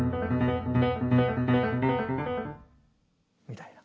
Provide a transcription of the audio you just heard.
みたいな。